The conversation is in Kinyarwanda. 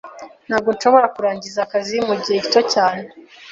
Ntabwo nshobora kurangiza akazi mugihe gito cyane.